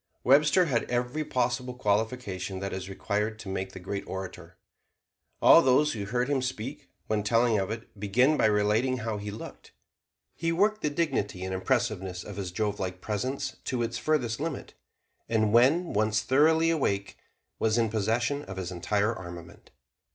Webster had every possible qualification that is required to make the great orator. All those who heard him speak, when telling of it, begin by relating how he looked. He worked the dignity and impressiveness of his Jovelike presence to its furthest limit, and when once thoroughly awake was in possession of his entire armament.